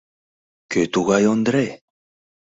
— Кӧ тугай Ондре?